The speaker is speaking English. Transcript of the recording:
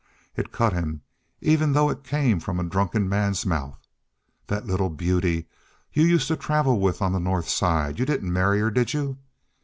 It cut him, even though it came from a drunken man's mouth. "That little beauty you used to travel with on the North Side. You didn't marry her, did you?"